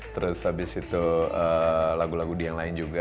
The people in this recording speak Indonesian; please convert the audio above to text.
terus abis itu lagu lagu dia yang lain juga